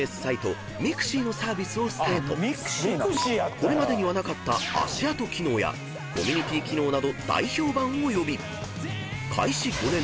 ［これまでにはなかった足あと機能やコミュニティ機能など大評判を呼び］